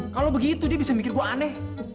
kalau begitu dia bisa mikir gue aneh